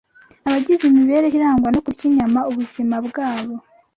Abagize imibereho irangwa no kurya inyama ubuzima bwabo